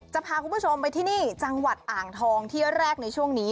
จะพาคุณผู้ชมไปที่นี่จังหวัดอ่างทองที่แรกในช่วงนี้